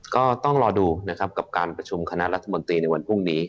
ก็ต้องรอดูนะครับกับการประชุมคณะรัฐมนตรีในวันพรุ่งนี้